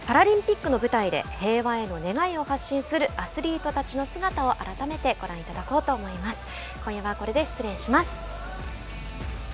パラリンピックの舞台で平和への願いを発信するアスリートたちの姿を改めてご覧いただこうと思います。